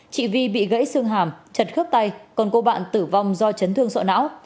chị vi bị gãy xương hàm chật khớp tay còn cô bạn tử vong do chấn thương sọ não